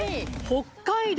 北海道